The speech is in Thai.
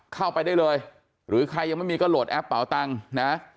เข้าไปได้เลยหรือใครยังไม่มีก็โหลดแอปเป่าตังค์นะ